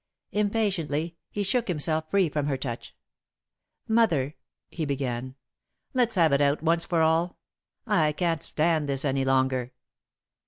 Impatiently, he shook himself free from her touch. "Mother," he began, "let's have it out once for all. I can't stand this any longer."